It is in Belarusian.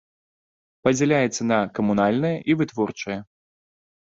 Падзяляецца на камунальнае і вытворчае.